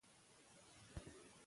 د سهار لنډ مزل هاضمه ښه کوي.